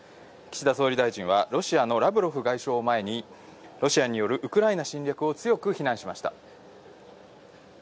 岸田総理大臣はロシアのラブロフ外相を前に、ロシアによるウクライナ侵略を強く非難しました。